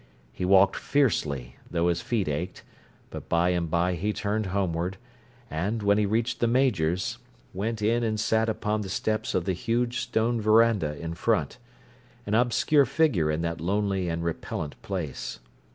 He walked fiercely, though his feet ached, but by and by he turned homeward, and, when he reached the Major's, went in and sat upon the steps of the huge stone veranda in front—an obscure figure in that lonely and repellent place.